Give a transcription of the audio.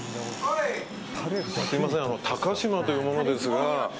すみません、高嶋という者ですが。